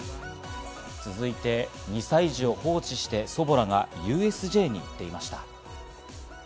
続いて２歳児を放置して、祖母らがＵＳＪに行っていました。